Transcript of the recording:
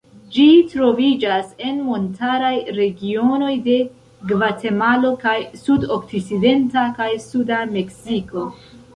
Ĝi troviĝas en montaraj regionoj de Gvatemalo kaj sudokcidenta kaj suda Meksiko.